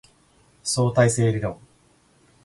相対性理論